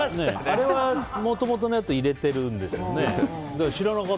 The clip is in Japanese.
あれはもともとのやつを入れてるんですよね？